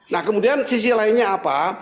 nah kemudian sisi lainnya apa